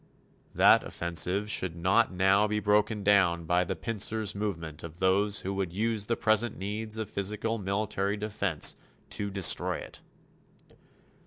That offensive should not now be broken down by the pincers movement of those who would use the present needs of physical military defense to destroy it.